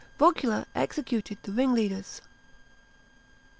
VocMila executed the ringleaders.